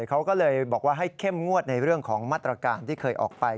เขาก็เลยบอกว่าให้เข้มงวดในเรื่องของมาตรการที่เคยออกไป